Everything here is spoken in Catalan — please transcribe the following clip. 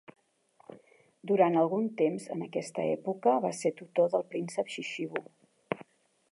Durant algun temps en aquesta època, va ser tutor del príncep Chichibu.